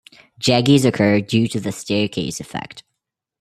Jaggies occur due to the "staircase effect".